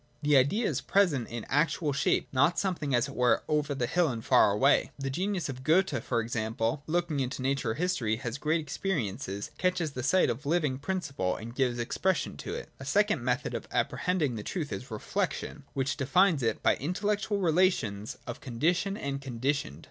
The idea is present, in actual shape, not something, as it were, over the hill and far away. The genius of a Goethe, for example, looking into nature or history, has great experiences, catches sight of the living principle, and gives expression to it. A second method of apprehending the truth is Reflection, which defines it by intellectual relations of condition and conditioned.